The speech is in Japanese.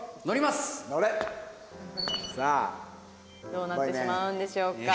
どうなってしまうんでしょうか？